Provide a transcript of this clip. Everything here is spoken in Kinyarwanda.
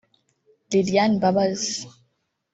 Lilian Mbabazi